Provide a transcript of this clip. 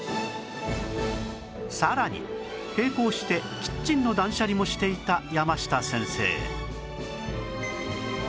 さらに並行してキッチンの断捨離もしていたやました先生